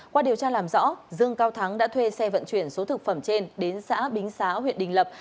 qua điều tra làm rõ dương cao thắng đã thuê xe vận chuyển số thực phẩm trên đến xã bính xá huyện đình lập